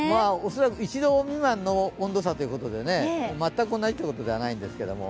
恐らく１度未満の温度差ということで全く同じということではないんですけども。